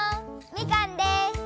みかんです。